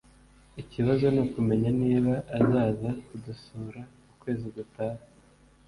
ikibazo nukumenya niba azaza kudusura ukwezi gutaha